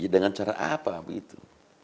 dengan cara apa begitu